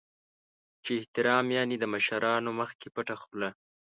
چې احترام یعنې د مشرانو مخکې پټه خوله .